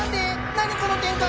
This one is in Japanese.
何この展開！